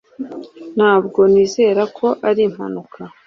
Ntabwo nizera ko ari impanuka